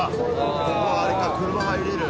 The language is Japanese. ここあれか車入れる。